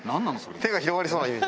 手が広がりそうなイメージ。